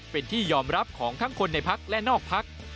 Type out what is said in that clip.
เป็นที่ยอมรับของทั้งคนในพักและนอกพัก